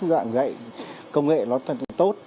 giảng dạy công nghệ nó thật tốt